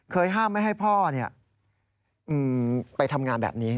ห้ามไม่ให้พ่อไปทำงานแบบนี้